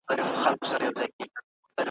چي په سترګه یې له لیري سوله پلنډه `